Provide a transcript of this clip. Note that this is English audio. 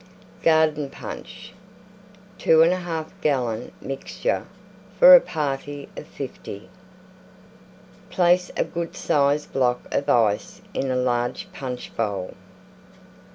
GARDEN PUNCH (2 1/2 gallon mixture for a party of 50) Place a good size block of Ice in a large Punch bowl.